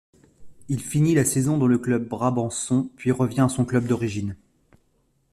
Il finit la saison dans le club brabançon puis revient à son club d'origine.